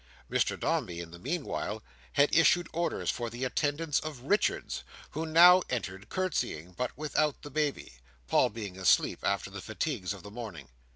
Mr Dombey, in the meanwhile, had issued orders for the attendance of Richards, who now entered curtseying, but without the baby; Paul being asleep after the fatigues of the morning.